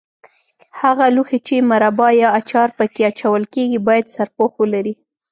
هغه لوښي چې مربا یا اچار په کې اچول کېږي باید سرپوښ ولري.